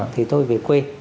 thì tôi về quê